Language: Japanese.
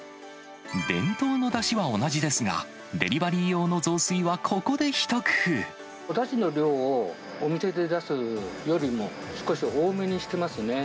伝統のだしは同じですが、デリバリー用の雑炊はここで一工おだしの量を、お店で出すよりも、少し多めにしてますね。